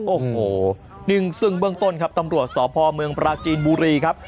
โอ้โหซึ่งเบื้องต้นครับตำรวจสพเมืองปราจีนบุรีครับ